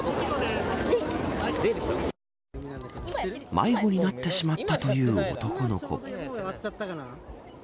迷子になってしまったという男の子。